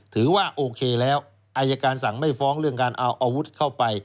ถือว่าโอเคแล้วอายการสั่งไม่ฟ้องเรื่องการเอาอาวุธเข้าไป